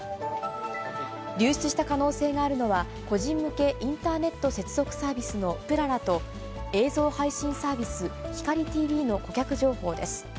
流出した可能性があるのは、個人向けインターネット接続サービスのぷららと、映像配信サービス、ひかりＴＶの顧客情報です。